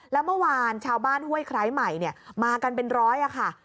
แล้วเมื่อวานชาวบ้านห้วยไคร้ใหม่มากันเป็นร้อยค่ะ